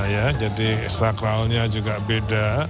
ya jadi sakralnya juga beda